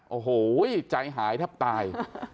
โอ้โหใจหายแทบตาย